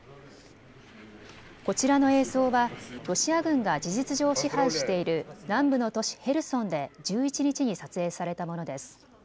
こちらの映像はロシア軍が事実上、支配している南部の都市へルソンで１１日に撮影されたものです。